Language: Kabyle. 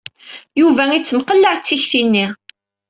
Yuba ittemqellaɛ d tikti-nni.